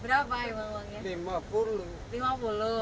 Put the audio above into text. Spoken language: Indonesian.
berapa emang uangnya